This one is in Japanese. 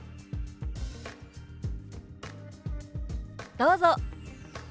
どうぞ。